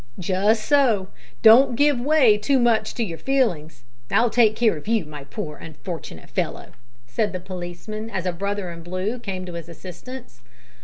"Just so. Don't give way too much to your feelings! I'll take care of you, my poor unfortunate fellow," said the policeman, as a brother in blue came to his assistance.